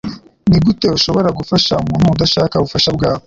Nigute ushobora gufasha umuntu udashaka ubufasha bwawe